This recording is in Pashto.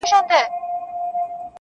ورځي د وريځي يارانه مــاتـه كـړه.